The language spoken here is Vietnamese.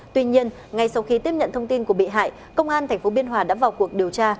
tuy nhiên ngay sau khi tiếp nhận thông tin của bị hại công an tp biên hòa đã vào cuộc điều tra